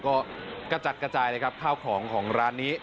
ก็กระจัดกระจายเลยครับข้าวของของร้านนี้